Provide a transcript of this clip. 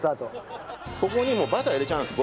ここにもうバター入れちゃうんです。